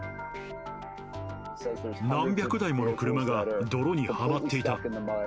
何百台もの車が泥にはまっていた。